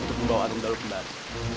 untuk membawa arung dalu kembali